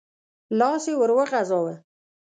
لاس يې ور وغځاوه.